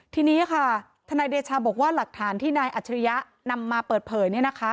ทีนี้ค่ะทนายเดชาบอกว่าหลักฐานที่นายอัจฉริยะนำมาเปิดเผยเนี่ยนะคะ